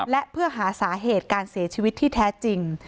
และเพื่อหาสาเหตุการเสียชีวิตที่แท้จริง